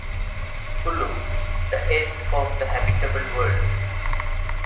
"Kulu: The End of the Habitable World".